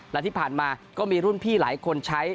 และที่ผ่านมาก็มีรุ่นพี่หลายคนใช้